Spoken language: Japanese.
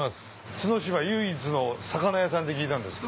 角島唯一の魚屋さんって聞いたんですが。